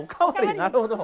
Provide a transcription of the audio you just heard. なるほど。